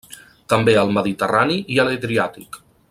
També al Mediterrani i a l'Adriàtic.